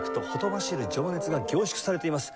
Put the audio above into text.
ほとばしる情熱が凝縮されています。